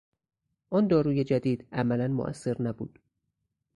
آن داروی جدید عملا موثر نبود.